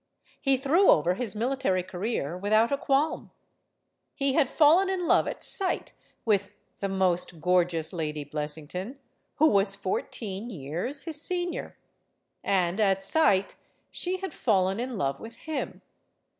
He threw over his military career without a qualm. He had fallen in love at sight with "the most gorgeous Lady Bless ington," who was fourteen years his senior. And, at sight, she had fallen in love with him.